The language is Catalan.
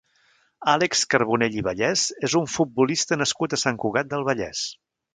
Àlex Carbonell i Vallès és un futbolista nascut a Sant Cugat del Vallès.